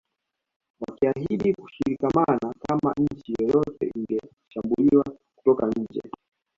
Wakiahidi kushikamana kama nchi yoyote ingeshambuliwa kutoka nje